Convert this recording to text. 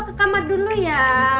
ke kamar dulu ya